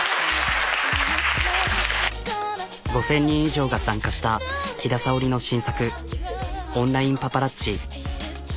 ５、０００人以上が参加したきださおりの新作オンラインパパラッチ。